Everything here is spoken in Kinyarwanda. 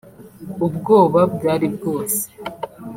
ubwoba bwari bwose